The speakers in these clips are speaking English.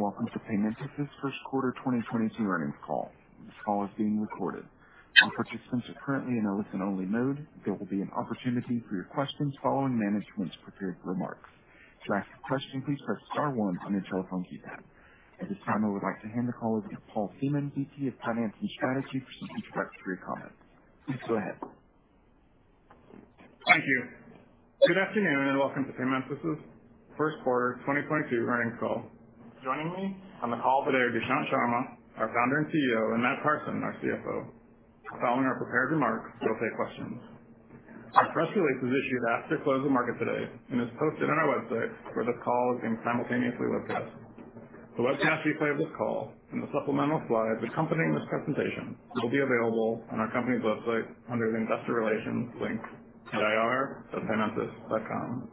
Good day, and welcome to Paymentus's first quarter 2022 earnings call. This call is being recorded. All participants are currently in a listen-only mode. There will be an opportunity for your questions following management's prepared remarks. To ask a question, please press star one on your telephone keypad. At this time, I would like to hand the call over to Paul Seamon, VP of Finance and Strategy, for some introductory comments. Please go ahead. Thank you. Good afternoon, and welcome to Paymentus's first quarter 2022 earnings call. Joining me on the call today are Dushyant Sharma, our Founder and CEO, and Matt Parson, our CFO. Following our prepared remarks, we'll take questions. Our press release was issued after the close of market today and is posted on our website where the call is being simultaneously webcast. The webcast replay of this call and the supplemental slides accompanying this presentation will be available on our company's website under the Investor Relations link at ir.paymentus.com.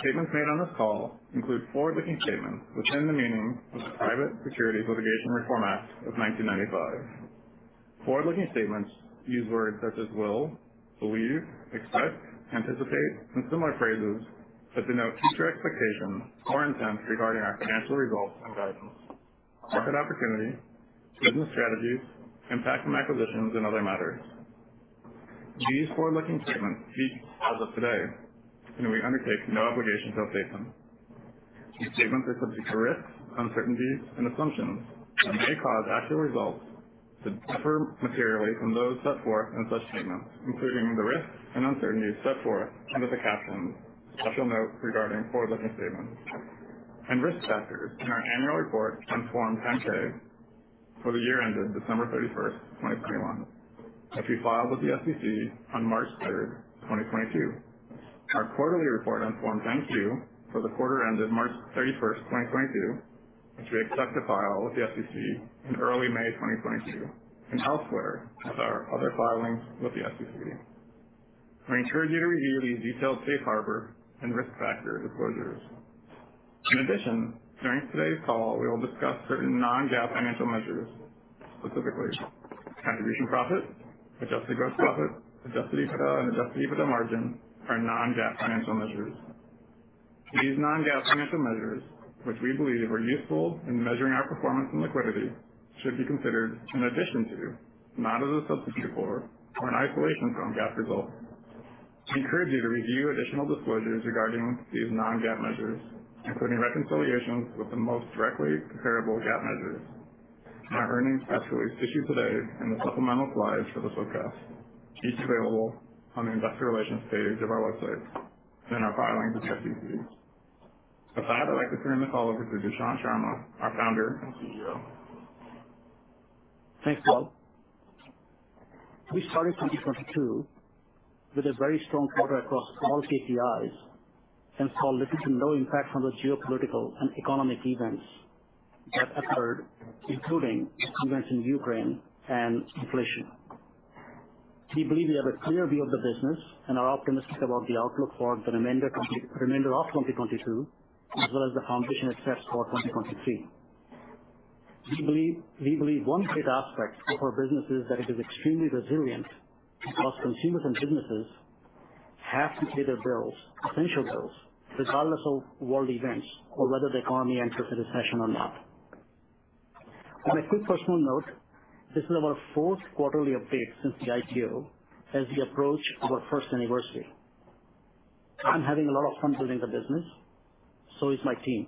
Statements made on this call include forward-looking statements within the meaning of the Private Securities Litigation Reform Act of 1995. Forward-looking statements use words such as will, believe, expect, anticipate, and similar phrases that denote future expectations or intents regarding our financial results and guidance, market opportunity, business strategies, impact from acquisitions, and other matters. These forward-looking statements speak as of today, and we undertake no obligation to update them. These statements are subject to risks, uncertainties and assumptions that may cause actual results to differ materially from those set forth in such statements, including the risks and uncertainties set forth under the caption Special Note Regarding Forward-Looking Statements and Risk Factors in our annual report on Form 10-K for the year ended December 31, 2021, which we filed with the SEC on March 3, 2022. Our quarterly report on Form 10-Q for the quarter ended March 31, 2022, which we expect to file with the SEC in early May 2022, and elsewhere with our other filings with the SEC. We encourage you to review these detailed safe harbor and risk factor disclosures. In addition, during today's call, we will discuss certain non-GAAP financial measures, specifically contribution profit, adjusted gross profit, Adjusted EBITDA, and Adjusted EBITDA margin, which are non-GAAP financial measures. These non-GAAP financial measures, which we believe are useful in measuring our performance and liquidity, should be considered in addition to, not as a substitute for or in isolation from, GAAP results. We encourage you to review additional disclosures regarding these non-GAAP measures, including reconciliations with the most directly comparable GAAP measures in our earnings press release issued today and the supplemental slides for this webcast, each available on the Investor Relations page of our website and in our filings with the SEC. With that, I'd like to turn this call over to Dushyant Sharma, our founder and CEO. Thanks, Paul. We started 2022 with a very strong quarter across all KPIs and saw little to no impact from the geopolitical and economic events that occurred, including events in Ukraine and inflation. We believe we have a clear view of the business and are optimistic about the outlook for the remainder of 2022, as well as the foundation it sets for 2023. We believe one great aspect of our business is that it is extremely resilient because consumers and businesses have to pay their bills, essential bills, regardless of world events or whether the economy enters a recession or not. On a quick personal note, this is our fourth quarterly update since the IPO as we approach our first anniversary. I'm having a lot of fun building the business, so is my team.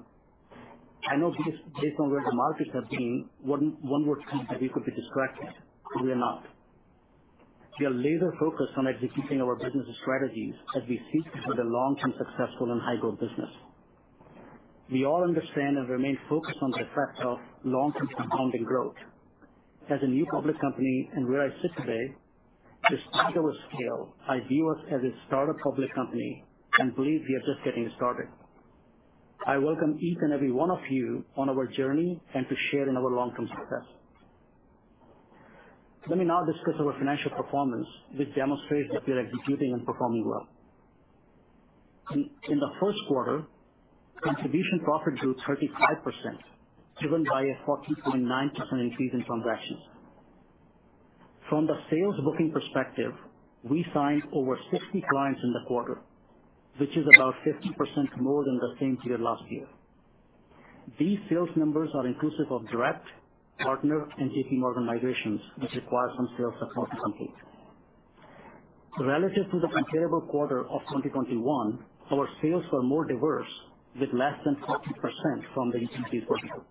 I know because based on where the markets have been, one would think that we could be distracted, but we are not. We are laser-focused on executing our business strategies as we seek to build a long-term successful and high-growth business. We all understand and remain focused on the effect of long-term compounding growth. As a new public company and where I sit today, despite our scale, I view us as a starter public company and believe we are just getting started. I welcome each and every one of you on our journey and to share in our long-term success. Let me now discuss our financial performance, which demonstrates that we are executing and performing well. In the first quarter, contribution profit grew 35%, driven by a 40.9% increase in transactions. From the sales booking perspective, we signed over 60 clients in the quarter, which is about 50% more than the same period last year. These sales numbers are inclusive of direct, partner, and JPMorgan migrations, which require some sales support to complete. Relative to the comparable quarter of 2021, our sales were more diverse with less than 40% from the MC42.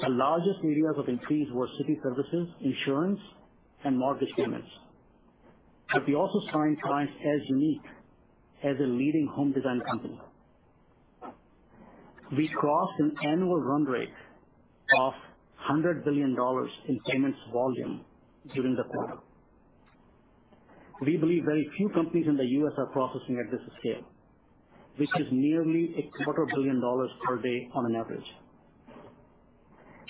The largest areas of increase were city services, insurance, and mortgage payments. We also signed clients as unique as a leading home design company. We crossed an annual run rate of $100 billion in payments volume during the quarter. We believe very few companies in the U.S. are processing at this scale, which is nearly $250 million per day on average.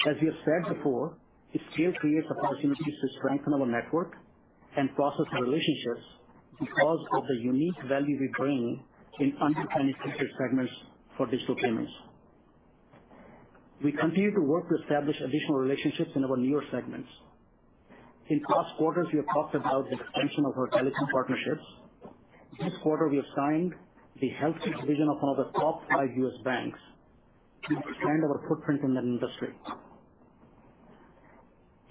As we have said before, the scale creates opportunities to strengthen our network and foster relationships because of the unique value we bring in underpenetrated segments for digital payments. We continue to work to establish additional relationships in our newer segments. In past quarters, we have talked about the extension of our telecom partnerships. This quarter we have signed the healthcare division of one of the top five US banks to expand our footprint in that industry.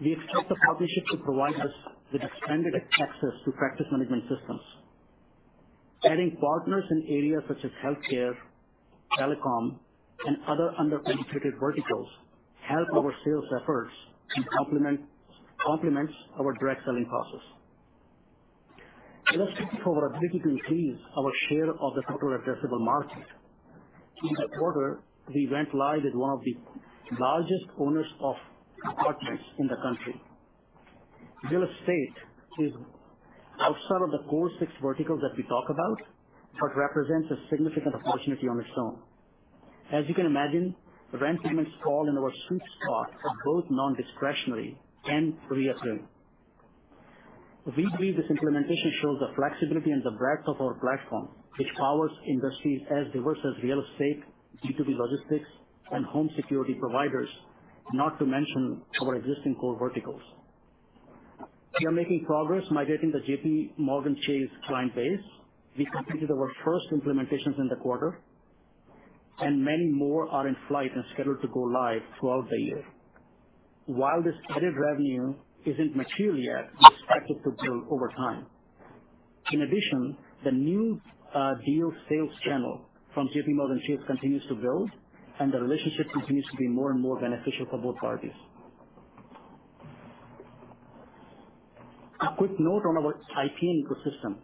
We expect the partnership to provide us with expanded access to practice management systems. Adding partners in areas such as healthcare, telecom, and other under-penetrated verticals help our sales efforts and complements our direct selling process. Let's look at our ability to increase our share of the total addressable market. In the quarter, we went live with one of the largest owners of apartments in the country. Real estate is outside of the core six verticals that we talk about, but represents a significant opportunity on its own. As you can imagine, rent payments fall in our sweet spot for both non-discretionary and recurring. We believe this implementation shows the flexibility and the breadth of our platform, which powers industries as diverse as real estate, B2B logistics, and home security providers, not to mention our existing core verticals. We are making progress migrating the JPMorgan Chase client base. We completed our first implementations in the quarter, and many more are in flight and scheduled to go live throughout the year. While this added revenue isn't material yet, we expect it to build over time. In addition, the new deal sales channel from JPMorgan Chase continues to build, and the relationship continues to be more and more beneficial for both parties. A quick note on our IPN ecosystem.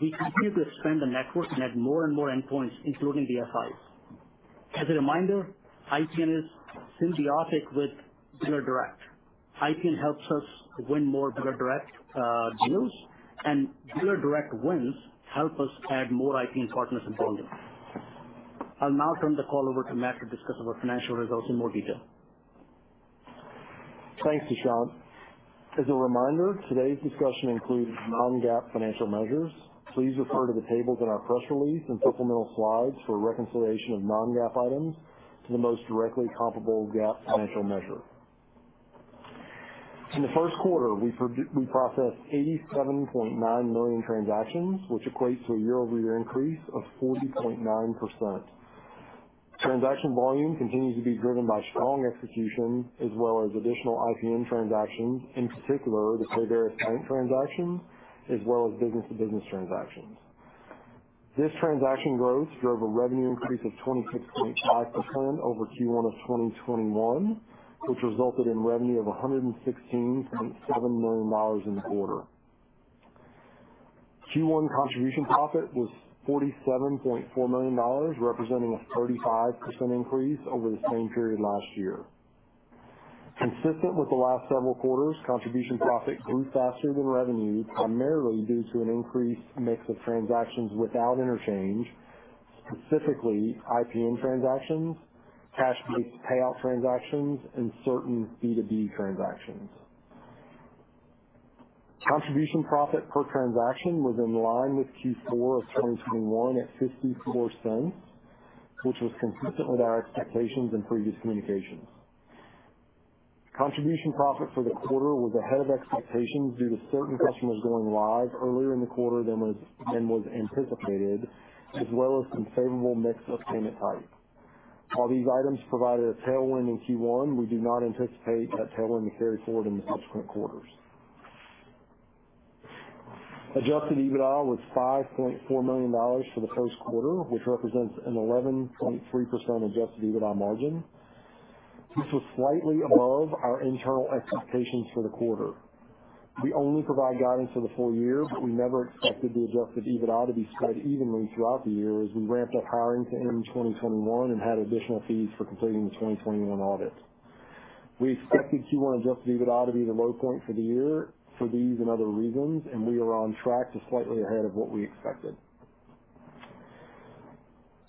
We continue to expand the network and add more and more endpoints, including DFIs. As a reminder, IPN is symbiotic with Biller Direct. IPN helps us win more Biller Direct deals, and Biller Direct wins help us add more IPN partners in volume. I'll now turn the call over to Matt to discuss our financial results in more detail. Thanks, Dushyant. As a reminder, today's discussion includes non-GAAP financial measures. Please refer to the tables in our press release and supplemental slides for a reconciliation of non-GAAP items to the most directly comparable GAAP financial measure. In the first quarter, we processed 87.9 million transactions, which equates to a year-over-year increase of 40.9%. Transaction volume continues to be driven by strong execution as well as additional IPN transactions, in particular the Payveris payment transaction as well as business-to-business transactions. This transaction growth drove a revenue increase of 26.5% over Q1 of 2021, which resulted in revenue of $116.7 million in the quarter. Q1 contribution profit was $47.4 million, representing a 35% increase over the same period last year. Consistent with the last several quarters, contribution profit grew faster than revenue, primarily due to an increased mix of transactions without interchange, specifically IPN transactions, cash-based payout transactions, and certain B2B transactions. Contribution profit per transaction was in line with Q4 of 2021 at $0.54, which was consistent with our expectations in previous communications. Contribution profit for the quarter was ahead of expectations due to certain customers going live earlier in the quarter than was anticipated, as well as some favorable mix of payment types. While these items provided a tailwind in Q1, we do not anticipate that tailwind to carry forward in the subsequent quarters. Adjusted EBITDA was $5.4 million for the first quarter, which represents an 11.3% Adjusted EBITDA margin, which was slightly above our internal expectations for the quarter. We only provide guidance for the full year, but we never expected the Adjusted EBITDA to be spread evenly throughout the year as we ramped up hiring to end in 2021 and had additional fees for completing the 2021 audit. We expected Q1 Adjusted EBITDA to be the low point for the year for these and other reasons, and we are on track to slightly ahead of what we expected.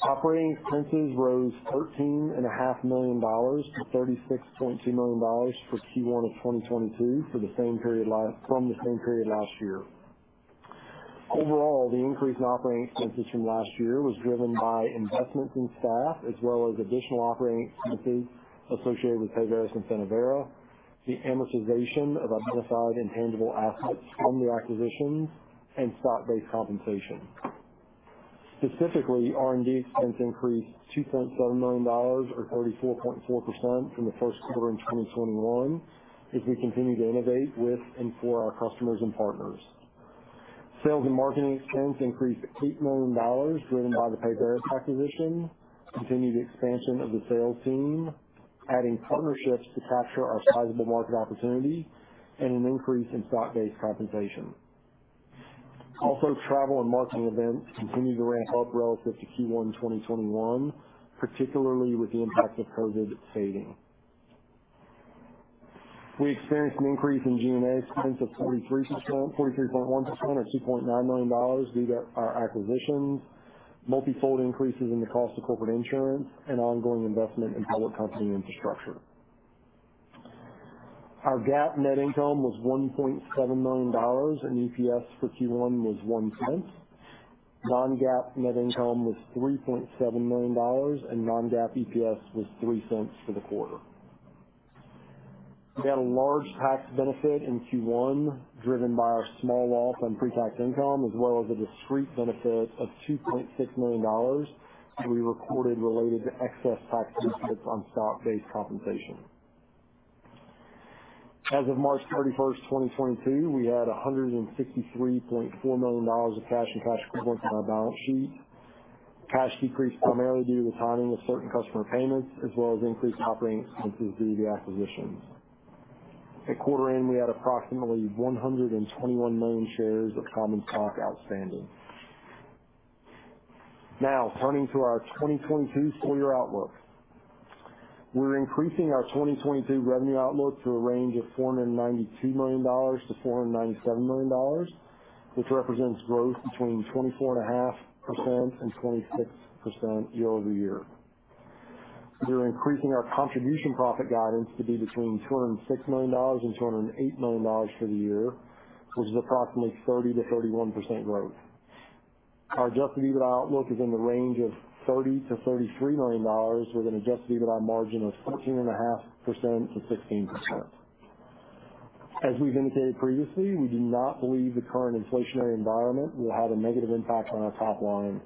Operating expenses rose $13.5 million to $36.2 million for Q1 of 2022 from the same period last year. Overall, the increase in operating expenses from last year was driven by investments in staff as well as additional operating expenses associated with Payveris and Finovera, the amortization of identified intangible assets from the acquisitions, and stock-based compensation. Specifically, R&D expense increased $2.7 million or 34.4% from the first quarter in 2021 as we continue to innovate with and for our customers and partners. Sales and marketing expense increased $8 million driven by the Payveris acquisition, continued expansion of the sales team, adding partnerships to capture our sizable market opportunity, and an increase in stock-based compensation. Also, travel and marketing events continue to ramp up relative to Q1 2021, particularly with the impact of COVID fading. We experienced an increase in G&A expense of 43.1% or $2.9 million due to our acquisitions, multi-fold increases in the cost of corporate insurance and ongoing investment in public company infrastructure. Our GAAP net income was $1.7 million, and EPS for Q1 was $0.01. Non-GAAP net income was $3.7 million, and non-GAAP EPS was $0.03 for the quarter. We had a large tax benefit in Q1, driven by our small loss on pre-tax income, as well as a discrete benefit of $2.6 million that we recorded related to excess tax benefits on stock-based compensation. As of March 31, 2022, we had $163.4 million of cash and cash equivalents on our balance sheet. Cash decreased primarily due to the timing of certain customer payments, as well as increased operating expenses due to the acquisitions. At quarter end, we had approximately 121 million shares of common stock outstanding. Now, turning to our 2022 full year outlook. We're increasing our 2022 revenue outlook to a range of $492 million-$497 million, which represents growth between 24.5% and 26% year-over-year. We're increasing our contribution profit guidance to be between $206 million and $208 million for the year, which is approximately 30%-31% growth. Our Adjusted EBITDA outlook is in the range of $30 million-$33 million, with an Adjusted EBITDA margin of 14.5%-16%. We've indicated previously, we do not believe the current inflationary environment will have a negative impact on our top line.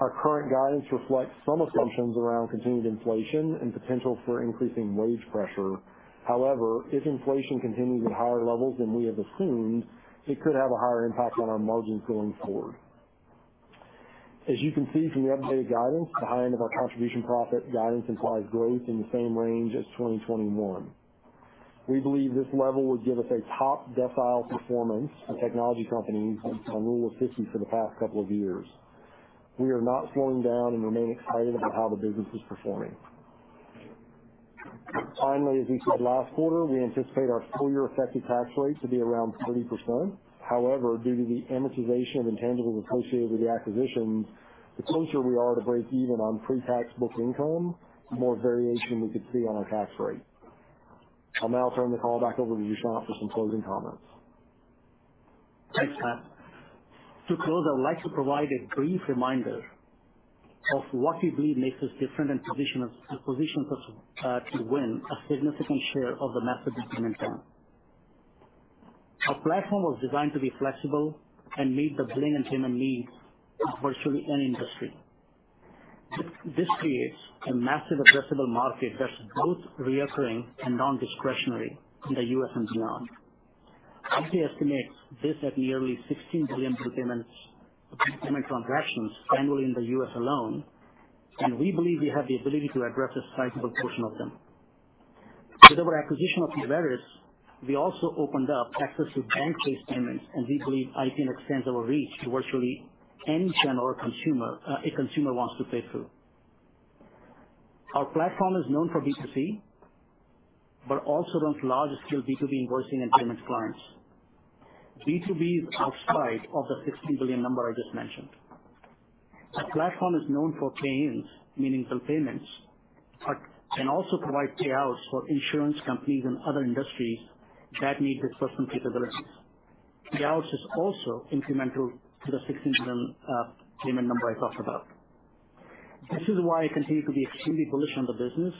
Our current guidance reflects some assumptions around continued inflation and potential for increasing wage pressure. However, if inflation continues at higher levels than we have assumed, it could have a higher impact on our margins going forward. As you can see from the updated guidance, the high end of our contribution profit guidance implies growth in the same range as 2021. We believe this level would give us a top decile performance of technology companies on Rule of 40 for the past couple of years. We are not slowing down and remain excited about how the business is performing. Finally, as we said last quarter, we anticipate our full year effective tax rate to be around 30%. However, due to the amortization of intangibles associated with the acquisitions, the closer we are to break even on pre-tax book income, the more variation we could see on our tax rate. I'll now turn the call back over to Dushyant for some closing comments. Thanks, Matt. To close, I'd like to provide a brief reminder of what we believe makes us different and positions us to win a significant share of the massive payment pie. Our platform was designed to be flexible and meet the billing and payment needs of virtually any industry. This creates a massive addressable market that's both recurring and non-discretionary in the U.S. and beyond. It estimates this at nearly 16 billion bill payments, payment transactions annually in the U.S. alone, and we believe we have the ability to address a sizable portion of them. With our acquisition of Payveris, we also opened up access to bank-based payments, and we believe it extends our reach to virtually any channel or consumer a consumer wants to pay through. Our platform is known for B2C, but also runs large scale B2B invoicing and payments clients. B2B is outside of the $16 billion number I just mentioned. Our platform is known for pay-ins, meaning bill payments, but can also provide payouts for insurance companies and other industries that need disbursement capabilities. Payouts is also incremental to the $16 billion payment number I talked about. This is why I continue to be extremely bullish on the business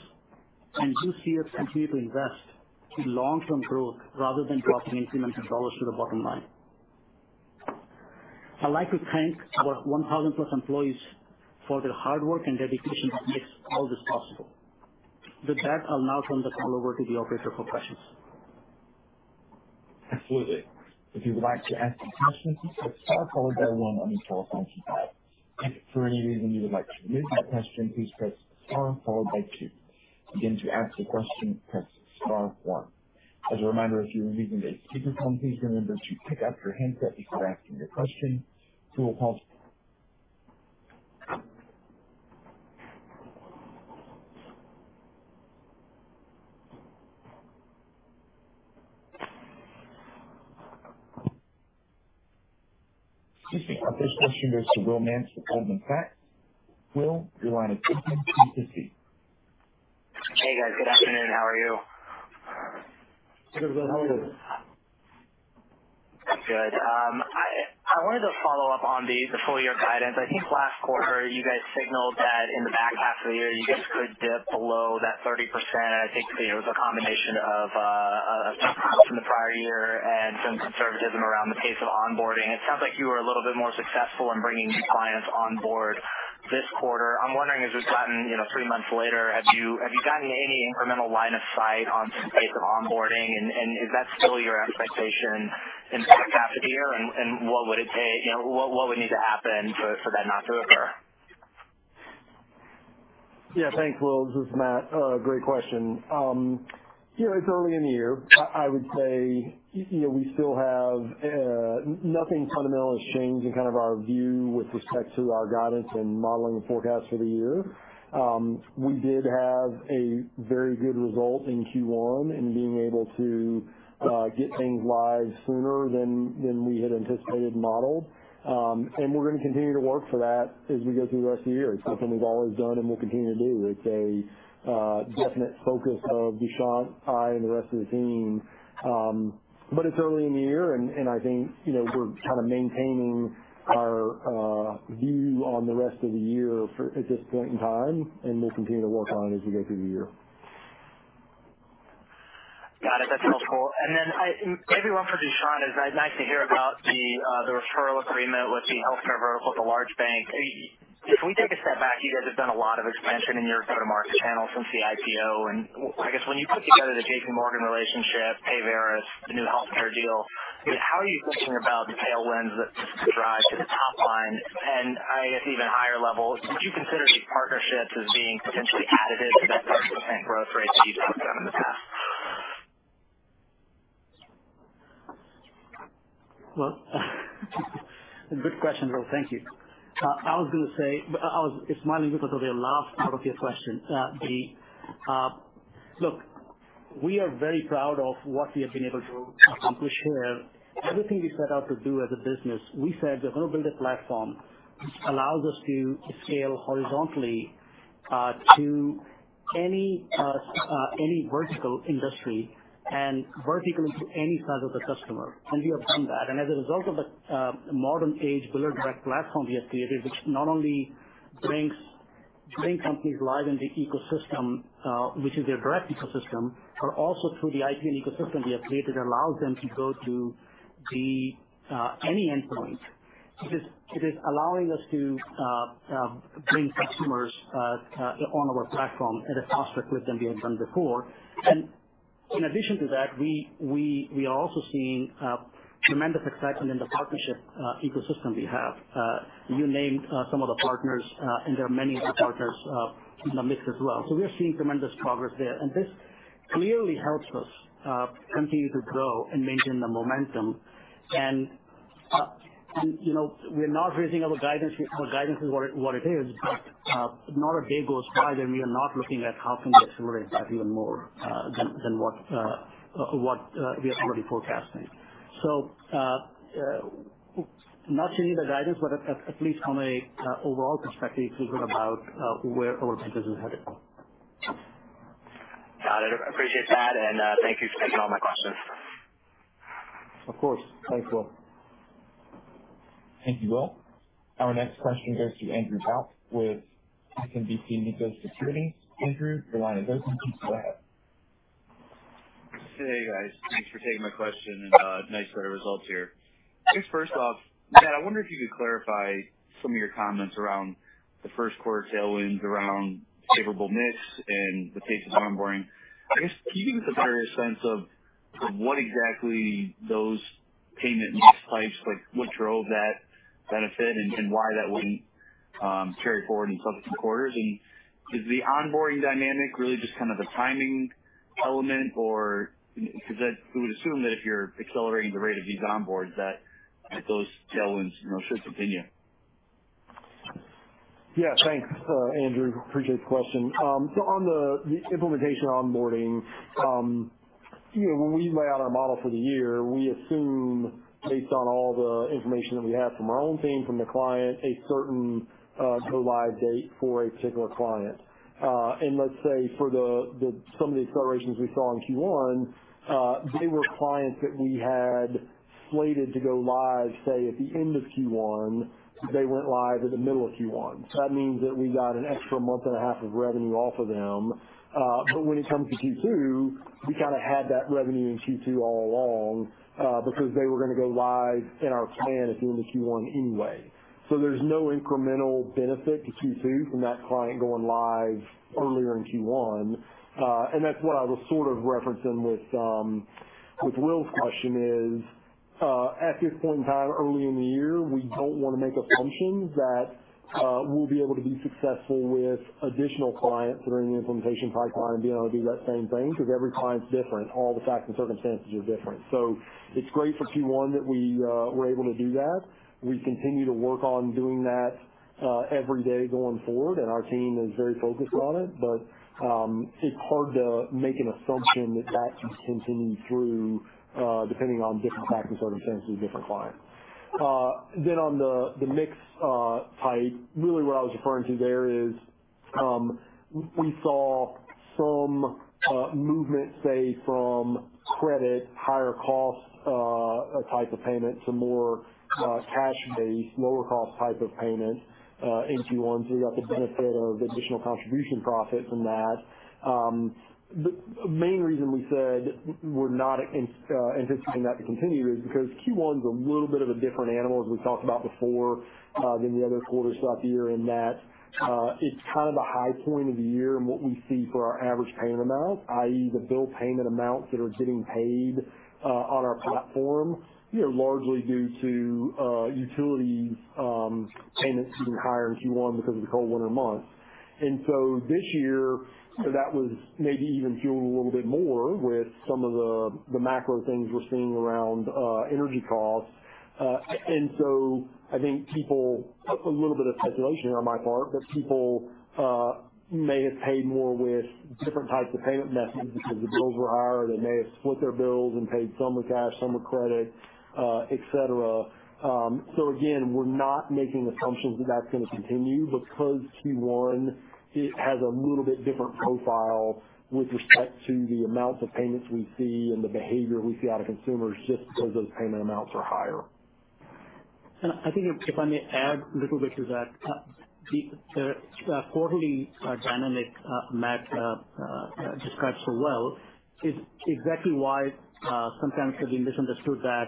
and this year continue to invest in long-term growth rather than dropping incremental dollars to the bottom line. I'd like to thank our 1,000+ employees for their hard work and dedication that makes all this possible. With that, I'll now turn the call over to the operator for questions. Absolutely. If you would like to ask a question, please press star followed by one on your phone's keypad. If for any reason you would like to remove that question, please press star followed by two. Again, to ask a question, press star one. As a reminder, if you're using a speakerphone, please remember to pick up your handset before asking your question to avoid. Excuse me. Our first question goes to Will Nance with Goldman Sachs. Will, your line is open. Please proceed. Hey, guys. Good afternoon. How are you? Good. How are you? Good. I wanted to follow up on the full year guidance. I think last quarter you guys signaled that in the back half of the year you guys could dip below that 30%. I think for you it was a combination of some comps from the prior year and some conservatism around the pace of onboarding. It sounds like you were a little bit more successful in bringing new clients on board this quarter. I'm wondering, as we've gotten, you know, three months later, have you gotten any incremental line of sight on pace of onboarding? And is that still your expectation in the back half of the year? And what would it take? You know, what would need to happen for that not to occur? Yeah. Thanks, Will. This is Matt. Great question. You know, it's early in the year. I would say, you know, we still have nothing fundamental has changed in kind of our view with respect to our guidance and modeling the forecast for the year. We did have a very good result in Q1 in being able to get things live sooner than we had anticipated and modeled. We're gonna continue to work for that as we go through the rest of the year. It's something we've always done and will continue to do. It's a definite focus of Dushyant, I, and the rest of the team. It's early in the year, and I think, you know, we're kind of maintaining our view on the rest of the year for at this point in time, and we'll continue to work on it as we go through the year. Got it. That's helpful. Maybe one for Dushyant is nice to hear about the referral agreement with the healthcare vertical, the large bank. If we take a step back, you guys have done a lot of expansion in your go-to-market channel since the IPO. I guess when you put together the JPMorgan relationship, Payveris, the new healthcare deal, how are you thinking about the tailwinds that drive to the top line and I guess even higher levels? Would you consider these partnerships as being potentially additive to that type of bank growth rates that you've done in the past? Well, good question, Will. Thank you. I was smiling because of your last part of your question. Look, we are very proud of what we have been able to accomplish here. Everything we set out to do as a business, we said we're gonna build a platform which allows us to scale horizontally to any vertical industry and vertically to any size of the customer. We have done that. As a result of the modern age Biller Direct platform we have created, which not only brings companies live in the ecosystem, which is their direct ecosystem, but also through the IPN ecosystem we have created allows them to go to any endpoint. It is allowing us to bring customers on our platform at a faster clip than we had done before. In addition to that, we are also seeing tremendous excitement in the partnership ecosystem we have. You named some of the partners, and there are many other partners in the mix as well. We are seeing tremendous progress there. This clearly helps us continue to grow and maintain the momentum. You know, we're not raising our guidance. Our guidance is what it is. Not a day goes by that we are not looking at how can we accelerate that even more than what we are already forecasting. not changing the guidance, but at least from a overall perspective feeling about where our business is headed. Got it. Appreciate that, and thank you for taking all my questions. Of course. Thanks, Will. Thank you, Will. Our next question goes to Andrew Bauch with SMBC Nikko Securities. Andrew, your line is open. Please go ahead. Hey, guys. Thanks for taking my question and nice set of results here. I guess first off, Matt, I wonder if you could clarify some of your comments around the first quarter tailwinds around favorable mix and the pace of onboarding. I guess can you give us a better sense of what exactly those payment mix types, like what drove that benefit and why that wouldn't carry forward in subsequent quarters? Is the onboarding dynamic really just kind of a timing element or we would assume that if you're accelerating the rate of these onboards, that those tailwinds, you know, should continue? Yeah, thanks, Andrew. Appreciate the question. On the implementation onboarding, you know, when we lay out our model for the year, we assume based on all the information that we have from our own team, from the client, a certain go-live date for a particular client. Let's say for some of the accelerations we saw in Q1, they were clients that we had slated to go live, say at the end of Q1, but they went live in the middle of Q1. That means that we got an extra month and a half of revenue off of them. When it comes to Q2, we kinda had that revenue in Q2 all along, because they were gonna go live in our plan at the end of Q1 anyway. There's no incremental benefit to Q2 from that client going live earlier in Q1. That's what I was sort of referencing with Will's question is at this point in time early in the year, we don't wanna make assumptions that we'll be able to be successful with additional clients that are in the implementation pipeline being able to do that same thing because every client's different. All the facts and circumstances are different. It's great for Q1 that we were able to do that. We continue to work on doing that every day going forward, and our team is very focused on it. It's hard to make an assumption that that can continue through, depending on different facts and circumstances with different clients. On the mix type, really what I was referring to there is, we saw some movement, say from credit, higher cost type of payment to more cash-based, lower cost type of payment in Q1. We got the benefit of additional contribution profit from that. The main reason we said we're not anticipating that to continue is because Q1's a little bit of a different animal, as we talked about before, than the other quarters throughout the year in that it's kind of a high point of the year in what we see for our average payment amount, i.e., the bill payment amounts that are getting paid on our platform, you know, largely due to utility payments being higher in Q1 because of the cold winter months. This year, that was maybe even fueled a little bit more with some of the macro things we're seeing around energy costs. I think people may have paid more with different types of payment methods because the bills were higher. They may have split their bills and paid some with cash, some with credit, et cetera. Again, we're not making assumptions that that's gonna continue because Q1 has a little bit different profile with respect to the amount of payments we see and the behavior we see out of consumers just because those payment amounts are higher. I think if I may add a little bit to that, the quarterly dynamic Matt described so well is exactly why sometimes can be misunderstood that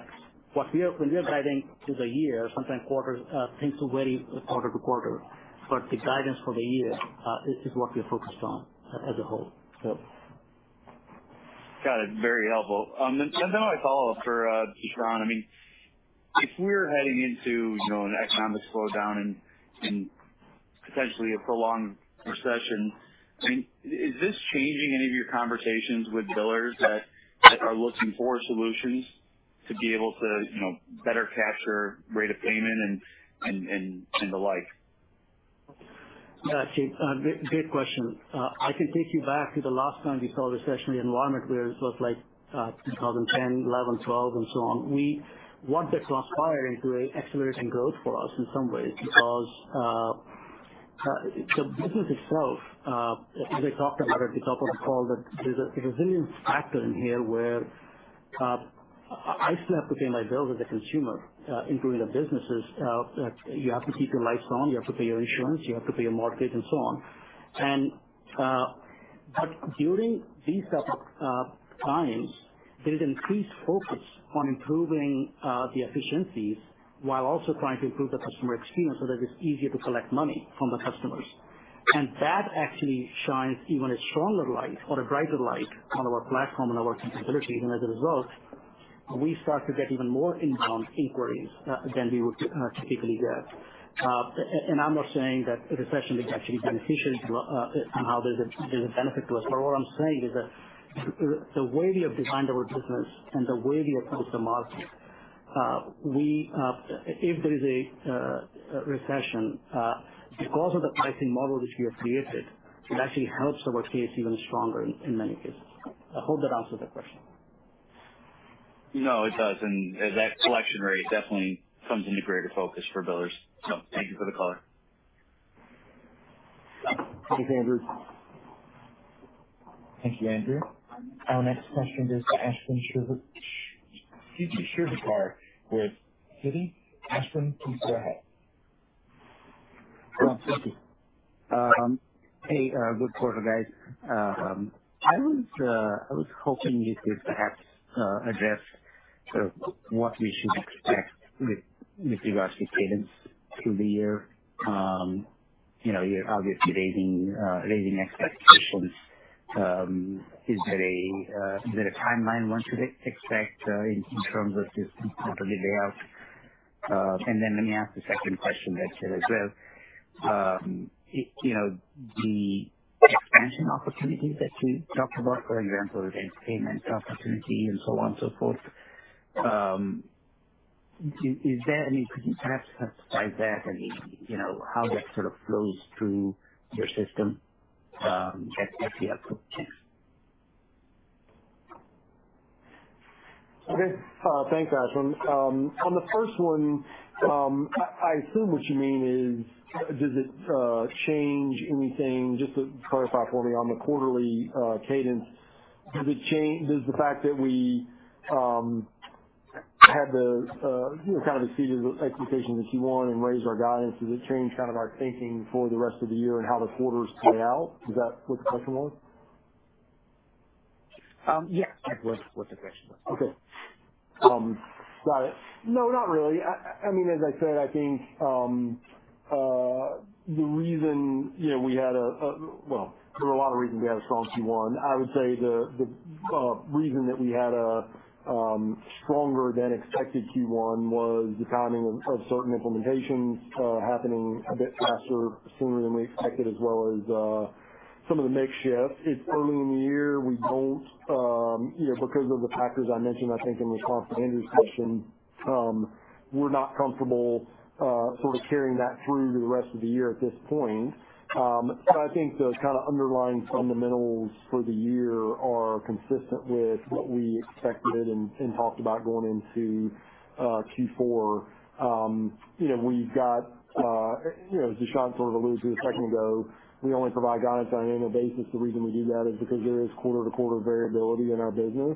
when we are guiding to the year, sometimes quarters tends to vary quarter to quarter. But the guidance for the year is what we are focused on as a whole. Got it. Very helpful. Then I follow up for Dushyant. I mean, if we're heading into, you know, an economic slowdown and potentially a prolonged recession, I mean, is this changing any of your conversations with billers that are looking for solutions to be able to, you know, better capture rate of payment and the like? Yeah. Gee, great question. I can take you back to the last time we saw a recessionary environment where it was like, 2010, 2011, 2012 and so on. What that transpired into an acceleration growth for us in some ways because, the business itself, as I talked about at the top of the call, that there's a resilience factor in here where, I still have to pay my bills as a consumer, including the businesses, that you have to keep your lights on, you have to pay your insurance, you have to pay your mortgage and so on. During these types of times, there's increased focus on improving the efficiencies while also trying to improve the customer experience so that it's easier to collect money from the customers. That actually shines even a stronger light or a brighter light on our platform and our capabilities. As a result, we start to get even more inbound inquiries than we would typically get. I'm not saying that a recession is actually beneficial to us and how there's a benefit to us, but what I'm saying is that the way we have designed our business and the way we approach the market, if there is a recession, because of the pricing model which we have created, it actually helps our case even stronger in many cases. I hope that answers the question. No, it does. As that collection rate definitely comes into greater focus for billers. Thank you for the color. Thanks, Andrew. Thank you, Andrew. Our next question is Ashwin Shirvaikar with Citi. Ashwin, please go ahead. Yeah. Thank you. Hey, good quarter, guys. I was hoping you could perhaps address sort of what we should expect with regards to cadence through the year. You know, you're obviously raising expectations. Is there a timeline one should expect in terms of just sort of the layout? Let me ask the second question that's there as well. You know, the expansion opportunities that you talked about, for example, rent payment opportunity and so on and so forth, is there any could you perhaps testify that any, you know, how that sort of flows through your system at the output end? Okay. Thanks, Ashwin. On the first one, I assume what you mean is, does it change anything, just to clarify for me on the quarterly cadence, does the fact that we had the you know kind of exceeded the expectations that you want and raised our guidance, does it change kind of our thinking for the rest of the year and how the quarters play out? Is that what the question was? Yes, that was what the question was. Okay. Got it. No, not really. I mean, as I said, I think the reason, you know, we had a strong Q1. Well, there were a lot of reasons we had a strong Q1. I would say the reason that we had a stronger than expected Q1 was the timing of certain implementations happening a bit faster, sooner than we expected, as well as some of the mix shift. It's early in the year. We don't, you know, because of the factors I mentioned, I think in the call for Andrew's session, we're not comfortable sort of carrying that through to the rest of the year at this point. I think the kind of underlying fundamentals for the year are consistent with what we expected and talked about going into Q4. You know, we've got, you know, as Dushyant sort of alluded to a second ago, we only provide guidance on an annual basis. The reason we do that is because there is quarter to quarter variability in our business.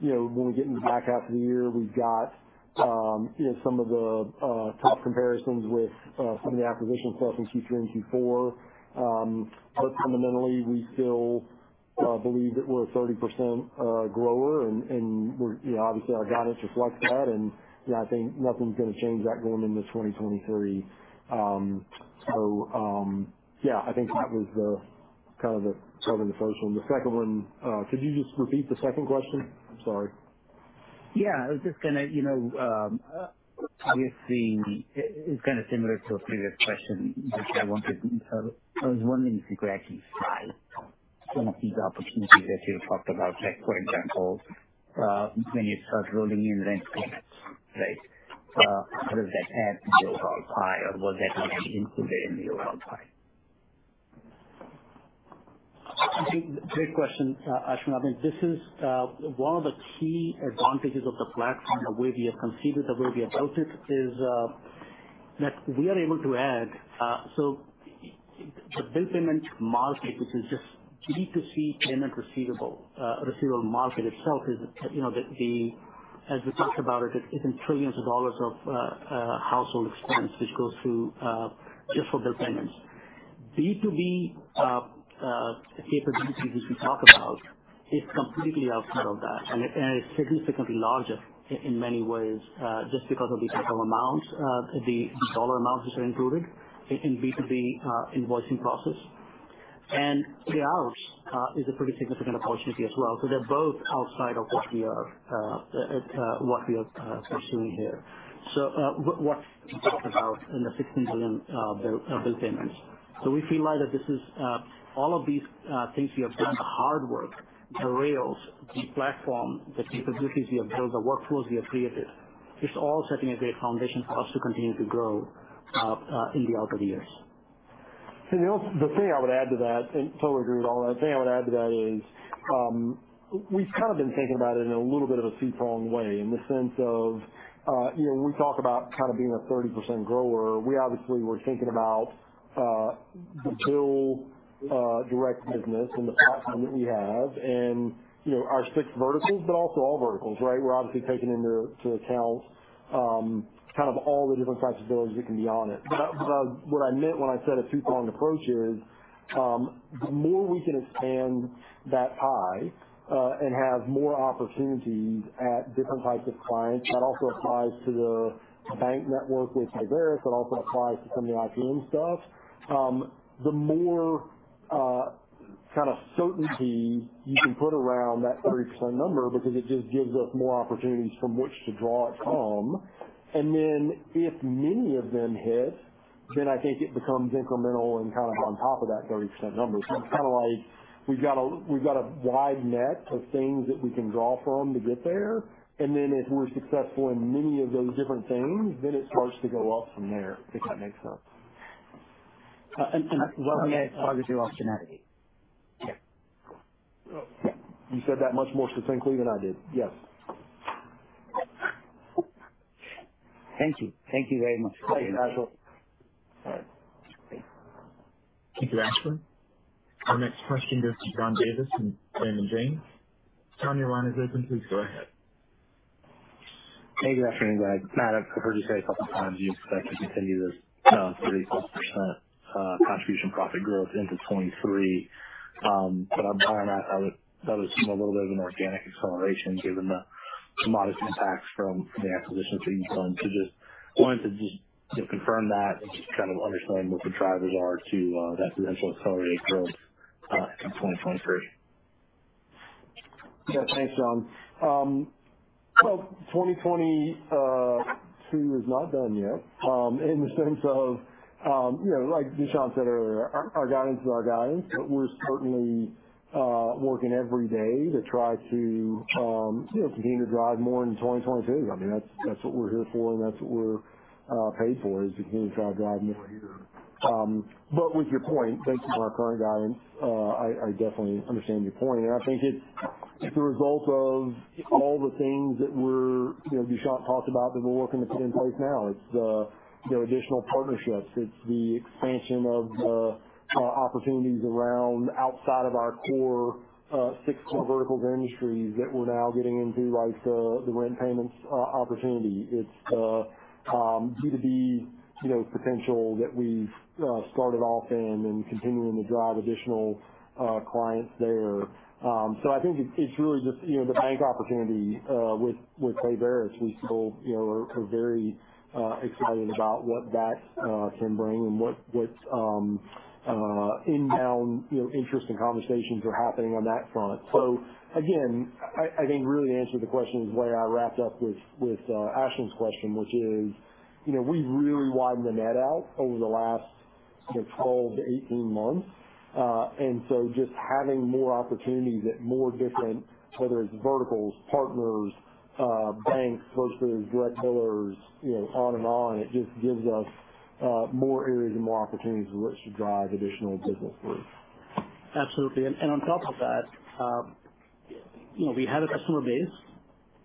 You know, when we get into the back half of the year, we've got, you know, some of the tough comparisons with some of the acquisitions we had in Q3 and Q4. But fundamentally, we still believe that we're a 30% grower and we're, you know, obviously our guidance reflects that. You know, I think nothing's gonna change that going into 2023. Yeah, I think that was the kind of covering the first one. The second one, could you just repeat the second question? I'm sorry. Yeah. I was just gonna, you know, obviously it's kinda similar to a previous question, but I was wondering if you could actually price some of these opportunities that you talked about, like for example, when you start rolling in rent payments, right? How does that add to your overall pie or was that already included in your overall pie? Great question, Ashwin. I mean, this is one of the key advantages of the platform, the way we have conceived it, the way we approach it, is that we are able to add, so the bill payment market, which is just B2C payment receivable market itself is, you know, as we talked about it's in trillions of dollars of household expense which goes through just for bill payments. B2B capabilities which we talk about is completely outside of that. It's significantly larger in many ways, just because of the type of amounts, the dollar amounts which are included in B2B invoicing process. Payouts is a pretty significant opportunity as well. They're both outside of what we are pursuing here. What we talked about in the 16 billion bill payments. We feel like that this is all of these things we have done, the hard work, the rails, the platform, the capabilities we have built, the workflows we have created, it's all setting a great foundation for us to continue to grow in the out years. The thing I would add to that, and totally agree with all that. The thing I would add to that is, we've kind of been thinking about it in a little bit of a two-prong way in the sense of, you know, when we talk about kind of being a 30% grower, we obviously were thinking about the Biller Direct business and the platform that we have and, you know, our six verticals, but also all verticals, right? We're obviously taking into account kind of all the different types of bills that can be on it. What I meant when I said a two-pronged approach is the more we can expand that pie and have more opportunities at different types of clients. That also applies to the bank network with Payveris. That also applies to some of the ATM stuff. The more kind of certainty you can put around that 30% number because it just gives us more opportunities from which to draw it from. If many of them hit, then I think it becomes incremental and kind of on top of that 30% number. It's kinda like we've got a wide net of things that we can draw from to get there. If we're successful in many of those different things, then it starts to go up from there, if that makes sense. As long as you have diversity. You said that much more succinctly than I did. Yes. Thank you. Thank you very much. Thank you, Ashwin. Thank you, Ashwin. Our next question goes to John Davis from Raymond James. John, your line is open. Please go ahead. Hey, good afternoon, guys. Matt, I've heard you say a couple times you expect to continue this 30%+ contribution profit growth into 2023. That would seem a little bit of an organic acceleration given the modest impacts from the acquisitions that you've done. Just wanted to, you know, confirm that and just kind of understand what the drivers are to that potential accelerated growth in 2023. Yeah. Thanks, John. 2022 is not done yet, in the sense of, you know, like Dushyant said earlier, our guidance is our guidance. We're certainly working every day to try to, you know, continue to drive more in 2022. I mean, that's what we're here for and that's what we're paid for is to continue to try to drive more. With your point, based on our current guidance, I definitely understand your point. I think it's a result of all the things that we're, you know, Dushyant talked about that we're working to put in place now. It's, you know, additional partnerships. It's the expansion of opportunities around outside of our core six core verticals or industries that we're now getting into, like the rent payments opportunity. It's B2B, you know, potential that we've started off in and continuing to drive additional clients there. I think it's really just, you know, the bank opportunity with Payveris. We still, you know, are very excited about what that can bring and what inbound, you know, interest and conversations are happening on that front. Again, I think really to answer the question is the way I wrapped up with Ashwin's question, which is, you know, we've really widened the net out over the last, you know, 12-18 months. Just having more opportunities at more different, whether it's verticals, partners, banks, post payers, direct billers, you know, on and on, it just gives us more areas and more opportunities for which to drive additional business growth. Absolutely. On top of that, you know, we have a customer base.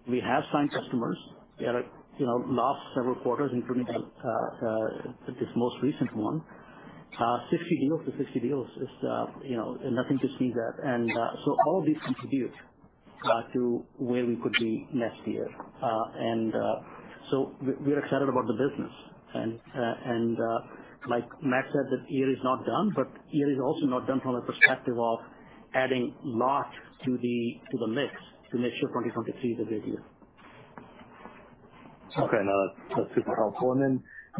We have signed customers. We had you know last several quarters, including this most recent one, 60 deals to 60 deals is, you know, nothing to sneeze at. So all of these contribute to where we could be next year. So we're excited about the business. Like Matt said, the year is not done, but the year is also not done from a perspective of adding lots to the mix to make sure 2023 is a big year. Okay. No, that's super helpful. There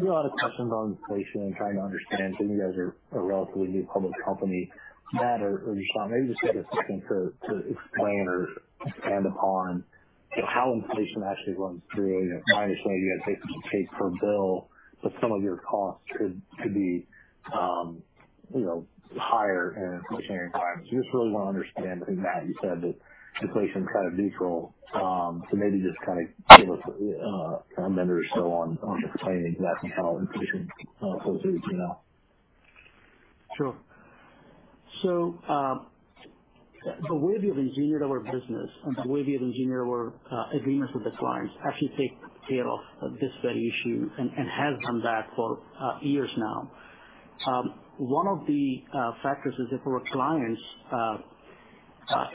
are a lot of questions on inflation and trying to understand since you guys are a relatively new public company. Matt or Dushyant, maybe just get a second to explain or expand upon, you know, how inflation actually runs through. I know financially you guys take per bill, but some of your costs could be, you know, higher in an inflationary environment. I just really want to understand. Matt, you said that inflation's kind of neutral. Maybe just kinda give us a minute or so on explaining that and how inflation flows through to you now. Sure. The way we have engineered our business and the way we have engineered our agreements with the clients actually take care of this very issue and has done that for years now. One of the factors is if our clients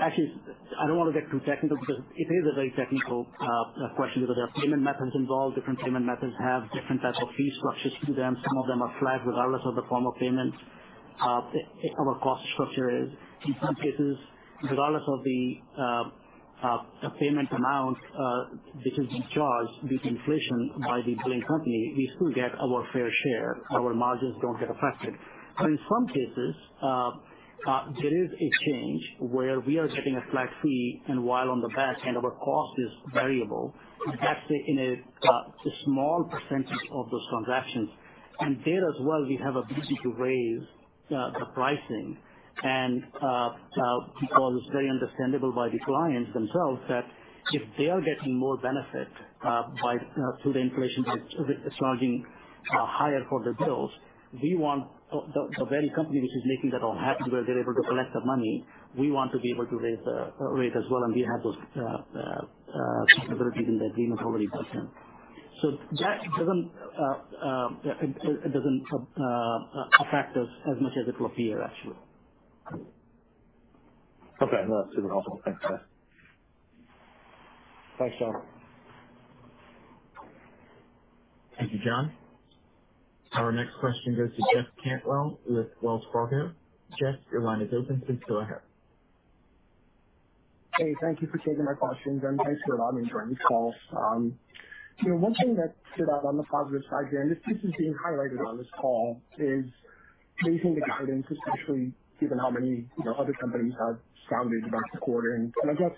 actually, I don't wanna get too technical because it is a very technical question because there are payment methods involved. Different payment methods have different types of fee structures to them. Some of them are flat regardless of the form of payments if our cost structure is. In some cases, regardless of the payment amount, which is charged with inflation by the billing company, we still get our fair share. Our margins don't get affected. In some cases, there is a change where we are getting a flat fee and while on the back end our cost is variable, that's in a small percentage of those transactions. There as well, we have ability to raise the pricing and because it's very understandable by the clients themselves that if they are getting more benefit through the inflation, it's charging higher for their bills, we want the very company which is making that all happen, where they're able to collect the money, we want to be able to raise the rate as well, and we have those capabilities in the agreements already built in. That doesn't affect us as much as it will appear, actually. Okay. No, that's super helpful. Thanks, guys. Thanks, John. Thank you, John. Our next question goes to Jeff Cantwell with Wells Fargo. Jeff, your line is open. Please go ahead. Hey, thank you for taking my questions, and thanks for allowing me to join this call. You know, one thing that stood out on the positive side here, and this isn't being highlighted on this call, is raising the guidance, especially given how many, you know, other companies have sounded about the quarter. I guess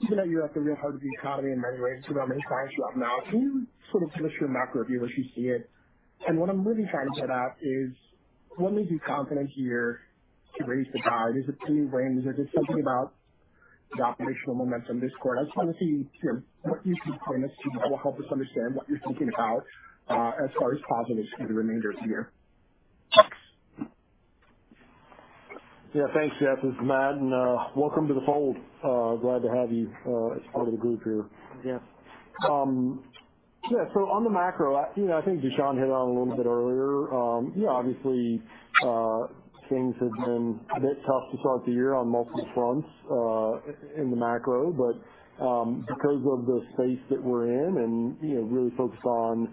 given that you're at the real heart of the economy in many ways, given how many clients you have now, can you sort of give us your macro view as you see it? What I'm really trying to get at is what makes you confident here to raise the guide? Is it simply range or just something about the operational momentum this quarter? I just wanna see, you know, what you see coming that will help us understand what you're thinking about, as far as positives for the remainder of the year. Yeah. Thanks, Jeff. This is Matt, and welcome to the fold. Glad to have you as part of the group here. Thanks. Yeah. On the macro, I, you know, I think Dushyant Sharma hit on it a little bit earlier. Yeah, obviously, things have been a bit tough to start the year on multiple fronts in the macro. Because of the space that we're in and, you know, really focused on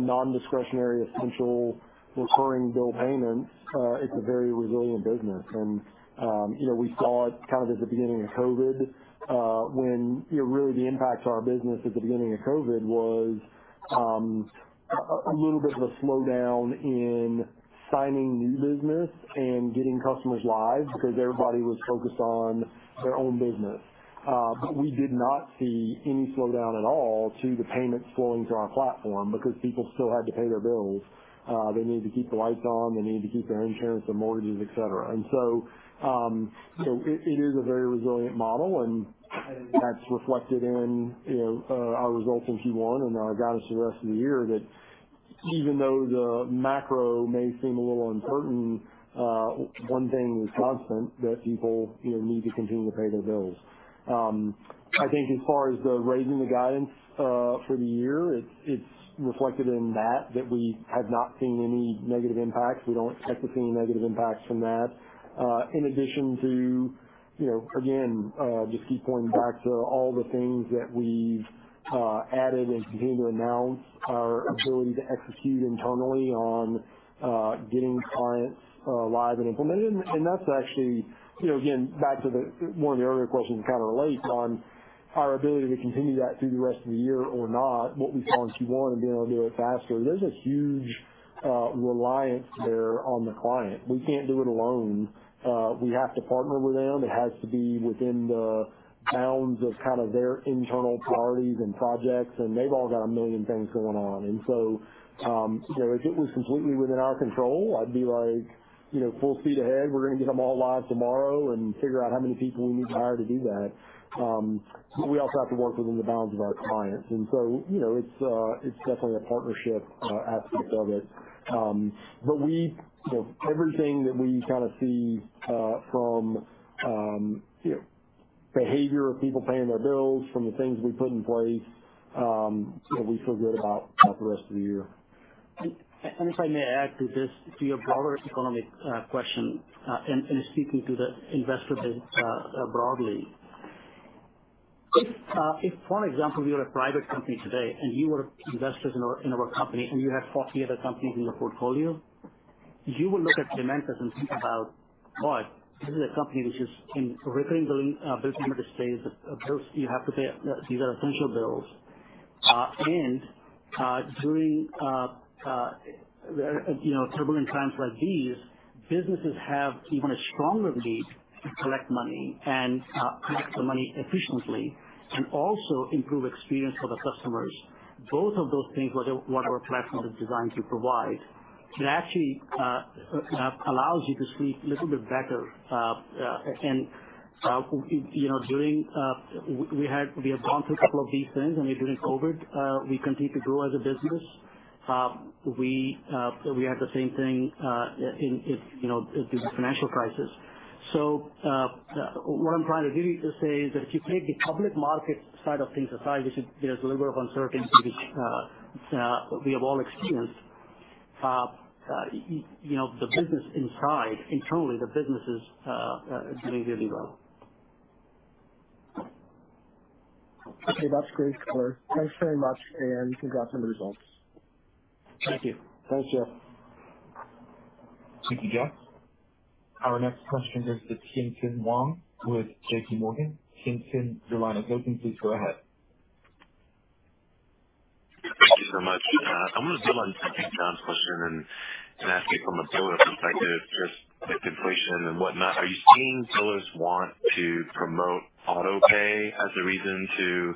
non-discretionary, essential recurring bill payments, it's a very resilient business. You know, we saw it kind of at the beginning of COVID when, you know, really the impact to our business at the beginning of COVID was a little bit of a slowdown in signing new business and getting customers live because everybody was focused on their own business. We did not see any slowdown at all to the payments flowing through our platform because people still had to pay their bills. They needed to keep the lights on. They needed to keep their insurance, their mortgages, et cetera. It is a very resilient model, and that's reflected in, you know, our results in Q1 and our guidance for the rest of the year that even though the macro may seem a little uncertain, one thing is constant, that people, you know, need to continue to pay their bills. I think as far as raising the guidance, for the year, it's reflected in that we have not seen any negative impacts. We don't expect to see any negative impacts from that. In addition to, you know, again, just keep pointing back to all the things that we've added and continue to announce our ability to execute internally on, getting clients, live and implemented. That's actually, you know, again, back to one of the earlier questions, kind of relates to our ability to continue that through the rest of the year or not, what we saw in Q1 and being able to do it faster. There's a huge reliance there on the client. We can't do it alone. We have to partner with them. It has to be within the bounds of kind of their internal priorities and projects, and they've all got a million things going on. You know, if it was completely within our control, I'd be like, you know, full speed ahead, we're gonna get them all live tomorrow and figure out how many people we need to hire to do that. But we also have to work within the bounds of our clients. You know, it's definitely a partnership aspect of it. But we you know, everything that we kinda see from you know, behavior of people paying their bills, from the things we put in place you know, we feel good about the rest of the year. If I may add to this, to your broader economic question, and speaking to the investor base, broadly. If for example, you're a private company today, and you were investors in our company, and you had 40 other companies in your portfolio, you will look at Paymentus and think about, boy, this is a company which is in recurring billing space. Bills you have to pay. These are essential bills. During, you know, turbulent times like these, businesses have even a stronger need to collect money and collect the money efficiently and also improve experience for the customers. Both of those things are what our platform is designed to provide. It actually allows you to sleep a little bit better, and you know, during we have gone through a couple of these things and during COVID, we continued to grow as a business. We had the same thing in, you know, the financial crisis. What I'm trying to really just say is that if you take the public market side of things aside, there's a little bit of uncertainty which we have all experienced. You know, the business inside, internally, the business is doing really well. Okay, that's great, Dushyant. Thanks very much, and congrats on the results. Thank you. Thanks, Jeff. Thank you, Jeff. Our next question goes to Tien-Tsin Huang with JPMorgan. Tien-Tsin, your line is open. Please go ahead. Thank you so much. I'm gonna build on John's question and ask you from a biller perspective, just the completion and whatnot. Are you seeing billers want to promote auto pay as a reason to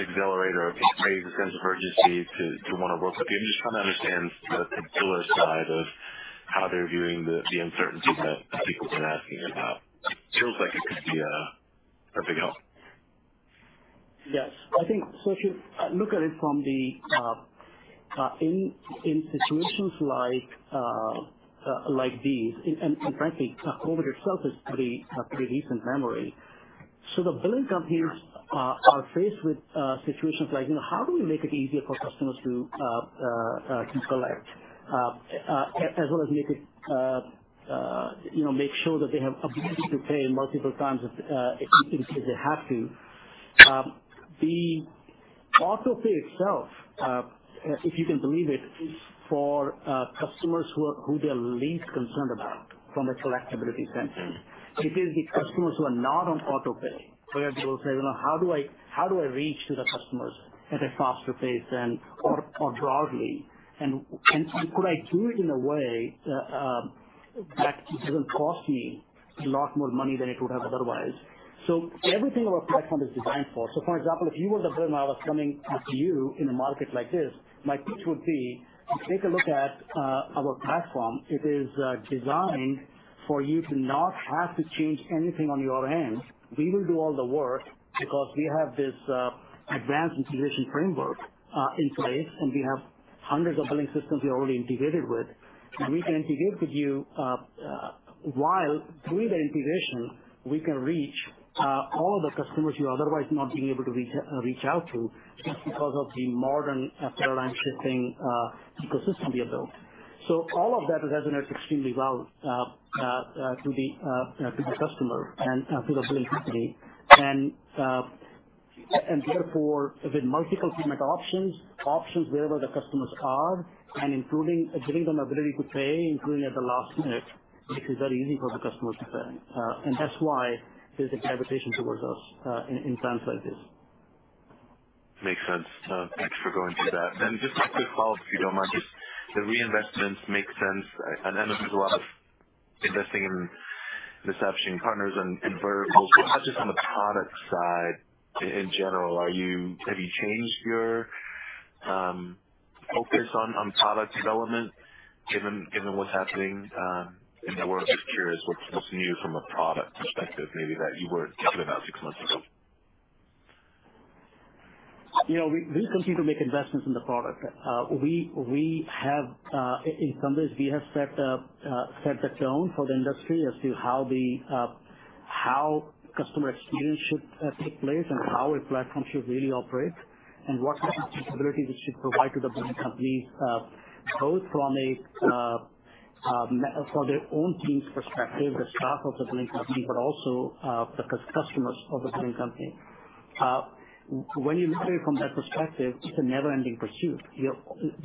accelerate or create a sense of urgency to want to work with you? I'm just trying to understand the biller side of how they're viewing the uncertainties that people have been asking about. It feels like it could be a perfect help. Yes. I think so if you look at it in situations like these and frankly COVID itself is a pretty recent memory. The billing companies are faced with situations like, you know, how do we make it easier for customers to collect, as well as make it, you know, make sure that they have ability to pay multiple times if they have to. The auto pay itself, if you can believe it, is for customers who they're least concerned about from a collectibility standpoint. It is the customers who are not on auto pay, where they will say, "Well, how do I reach to the customers at a faster pace than or broadly? Could I do it in a way that doesn't cost me a lot more money than it would have otherwise?" Everything our platform is designed for. For example, if you were the biller and I was coming up to you in a market like this, my pitch would be to take a look at our platform. It is designed for you to not have to change anything on your end. We will do all the work because we have this advanced integration framework in place, and we have hundreds of billing systems we are already integrated with. We can integrate with you while through the integration, we can reach all of the customers you're otherwise not being able to reach out to just because of the modern online shopping ecosystem we have built. All of that resonates extremely well to the, you know, to the customer and to the billing company. Therefore, with multiple payment options wherever the customers are and including giving them ability to pay, including at the last minute, it is very easy for the customers to pay. That's why there's a gravitation towards us in times like this. Makes sense. Thanks for going through that. Just a quick follow-up, if you don't mind. Just the reinvestments make sense. I know there's a lot of investing in this option, partners and variables. Just on the product side in general, have you changed your focus on product development given what's happening in the world? Just curious what's new from a product perspective maybe that you weren't talking about six months ago. You know, we continue to make investments in the product. We have, in some ways, set the tone for the industry as to how customer experience should take place and how a platform should really operate and what kind of capabilities it should provide to the billing companies, both from their own team's perspective, the staff of the billing company, but also the customers of the billing company. When you look at it from that perspective, it's a never-ending pursuit. You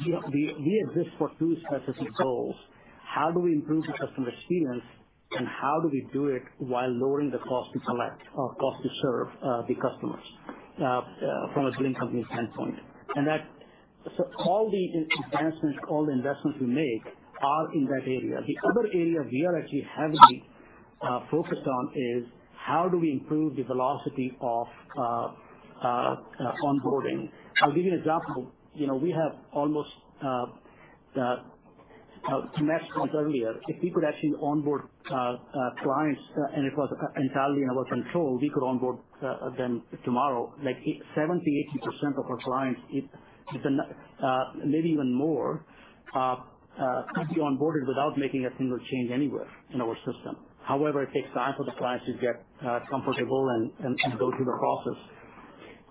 know, we exist for two specific goals. How do we improve the customer experience and how do we do it while lowering the cost to collect or cost to serve the customers from a billing company standpoint? All the advancements, all the investments we make are in that area. The other area we are actually heavily focused on is how do we improve the velocity of onboarding. I'll give you an example. You know, we have almost to match comments earlier, if we could actually onboard clients and it was entirely in our control, we could onboard them tomorrow. Like seventy, eighty percent of our clients, if maybe even more could be onboarded without making a single change anywhere in our system. However, it takes time for the clients to get comfortable and go through the process.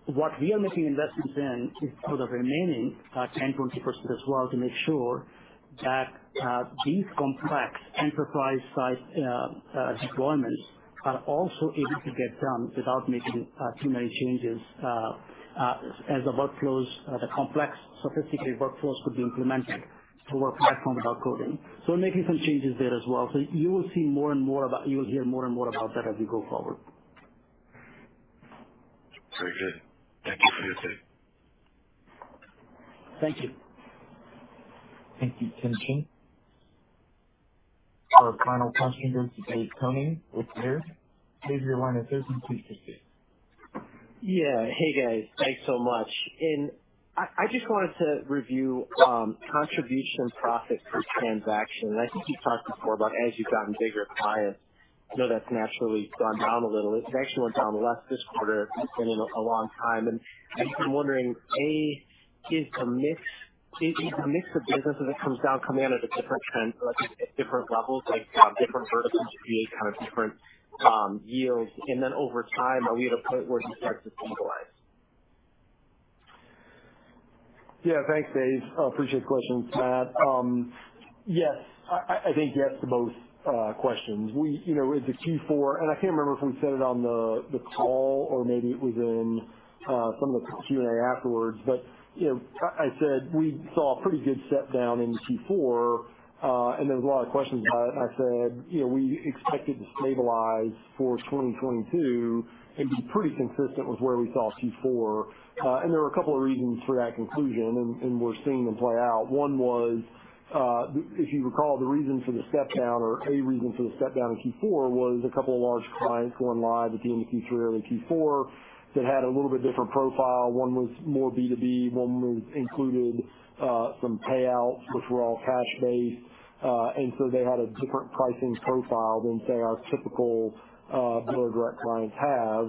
What we are making investments in is for the remaining 10%-20% as well, to make sure that these complex enterprise-size deployments are also able to get done without making too many changes, as the workflows, the complex sophisticated workflows could be implemented to our platform without coding. We're making some changes there as well. You'll hear more and more about that as we go forward. Very good. Thank you for your time. Thank you. Thank you, Tien-Tsin. Our final question goes to David Koning with Baird. Dave, your line is open. Please proceed. Yeah. Hey, guys. Thanks so much. I just wanted to review contribution profit per transaction. I think you talked before about as you've gotten bigger clients, I know that's naturally gone down a little. It actually went down less this quarter than in a long time. I'm just wondering, A, is the mix of businesses that comes down coming in at a different trend like at different levels, like different verticals create kind of different yields. Then over time, are we at a point where it just starts to stabilize? Yeah. Thanks, Dave. I appreciate the questions, Matt. Yes, I think yes to both questions. You know, with the Q4, I can't remember if we said it on the call or maybe it was in some of the Q&A afterwards, but you know I said we saw a pretty good step down in Q4. There was a lot of questions about it. I said, you know, we expect it to stabilize for 2022 and be pretty consistent with where we saw Q4. There were a couple of reasons for that conclusion, and we're seeing them play out. One was, if you recall, the reason for the step down or a reason for the step down in Q4 was a couple of large clients going live at the end of Q3, early Q4 that had a little bit different profile. One was more B2B. One was included, some payouts which were all cash based. They had a different pricing profile than, say, our typical, Biller Direct clients have.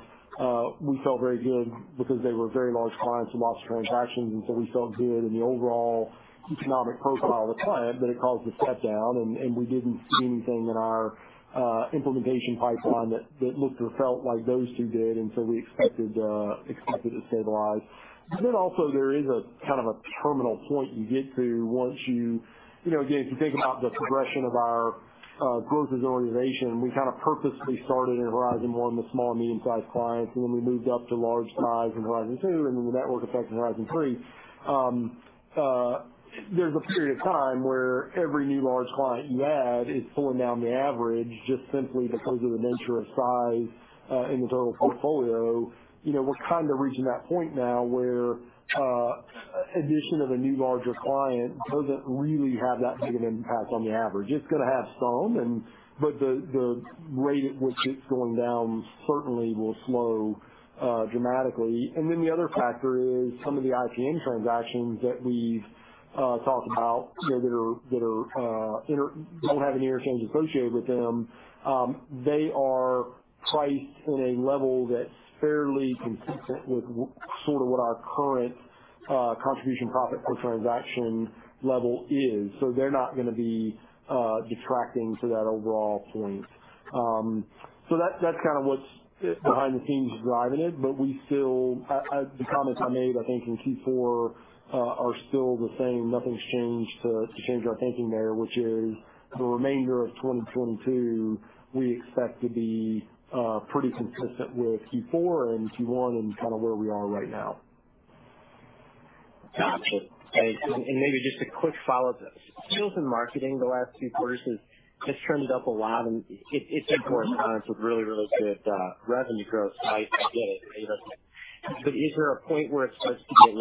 We felt very good because they were very large clients with lots of transactions, and so we felt good in the overall economic profile of the client. It caused a step down, and we didn't see anything in our, implementation pipeline that looked or felt like those two did. We expected to stabilize. Also there is a kind of a terminal point you get to once you know, again, if you think about the progression of our growth as an organization, we kind of purposely started in horizon one with small and medium sized clients, and then we moved up to large size in horizon two and then the network effect in horizon three. There's a period of time where every new large client you add is pulling down the average just simply because of the nature of size in the total portfolio. You know, we're kind of reaching that point now where addition of a new larger client doesn't really have that big an impact on the average. It's gonna have some but the rate at which it's going down certainly will slow dramatically. The other factor is some of the IPN transactions that we've talked about, you know, that are don't have any interchange associated with them. They are priced at a level that's fairly consistent with sort of what our current contribution profit per transaction level is. So they're not gonna be detracting to that overall point. So that's kind of what's behind the scenes driving it. The comments I made, I think, in Q4 are still the same. Nothing's changed to change our thinking there, which is the remainder of 2022, we expect to be pretty consistent with Q4 and Q1 and kind of where we are right now. Gotcha. Maybe just a quick follow up. Sales and marketing the last few quarters has trended up a lot, and it's in correspondence with really good revenue growth. I get it. Is there a point where it starts to get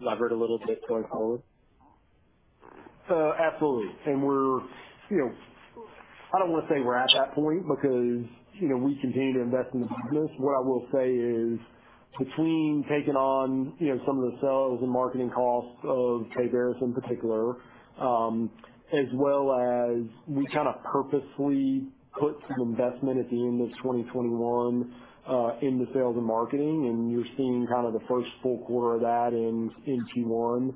levered a little bit going forward? Absolutely. We're, you know, I don't want to say we're at that point because, you know, we continue to invest in the business. What I will say is between taking on, you know, some of the sales and marketing costs of Payveris in particular, as well as we kind of purposely put some investment at the end of 2021, into sales and marketing, and you're seeing kind of the first full quarter of that in Q1.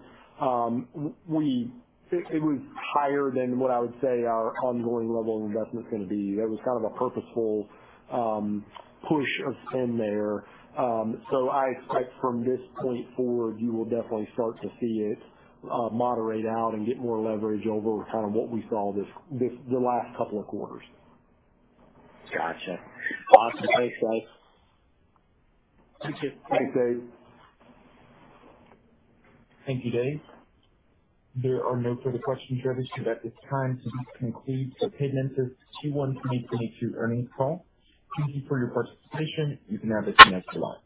It was higher than what I would say our ongoing level of investment is gonna be. That was kind of a purposeful push of spend there. I expect from this point forward, you will definitely start to see it moderate out and get more leverage over kind of what we saw the last couple of quarters. Gotcha. Awesome. Thanks, guys. Thanks, Dave. Thank you, Dave. There are no further questions. That's the time to conclude the Paymentus's Q1 2022 earnings call. Thank you for your participation. You can now disconnect your line.